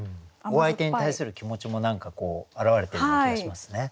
お相手に対する気持ちも表れているような気がしますね。